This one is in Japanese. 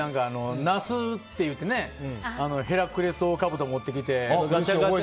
ナスって言ってヘラクレスオオカブト持ってきて。